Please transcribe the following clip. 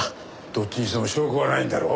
どっちにしても証拠はないんだろ？